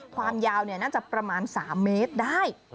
ความยาวน่าจะประมาณ๓เมตรได้